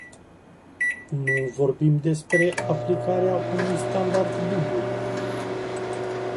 Nu vorbim despre aplicarea unui standard dublu?